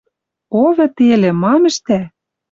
О вӹтельӹ, мам ӹштӓ?